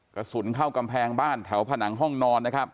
กระสุนเข้ากำแพงบ้านแถวผนังห้องนอนนะครับ